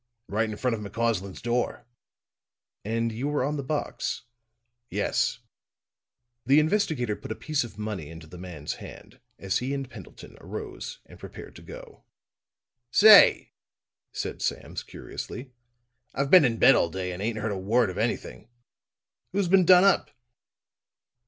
"Right in front of McCausland's door." "And you were on the box?" "Yes." The investigator put a piece of money in the man's hand as he and Pendleton arose and prepared to go. "Say," said Sam curiously, "I've been in bed all day and ain't heard a word of anything. Who's been done up?"